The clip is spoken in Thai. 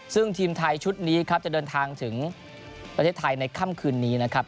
ซึ่งทีมไทยชุดนี้ครับจะเดินทางถึงประเทศไทยในค่ำคืนนี้นะครับ